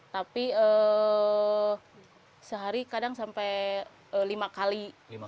tapi sehari kadang sampai lima kali